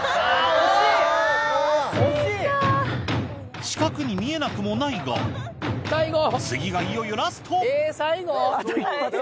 ・・惜しいか・四角に見えなくもないが次がいよいよラストあと１発か。